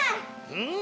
うん！